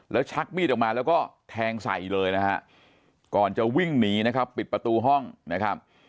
แล้วชักมีดออกมาแล้วก็แทงใส่เลยนะฮะก่อนจะวิ่งหนีนะครับปิดประตูห้องนะครับ